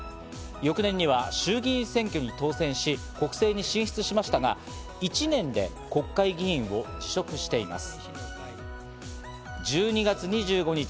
翌年には衆議院選挙に当選し、国政に進出しましたが、１年で国会議員を辞職しています。